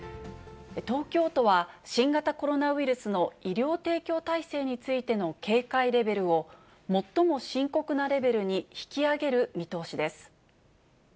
東京都は、新型コロナウイルスの医療提供体制についての警戒レベルを、最も深刻なレベルに引き上げる見通しです。